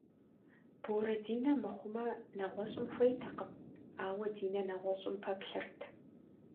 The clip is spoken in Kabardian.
Борэ Динэ мыхъумэ, нэгъуэщӏым хуейтэкъым, ауэ Динэ нэгъуэщӏым пэплъэрт.